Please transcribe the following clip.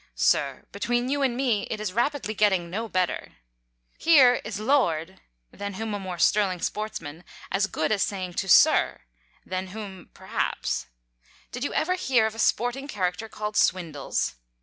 Sir, between you and me, it is rapidly getting no better. Here is Lord — (than whom a more sterling sportsman) as good as saying to Sir — (than whom, perhaps), "Did you ever hear of a sporting character called Swindells?"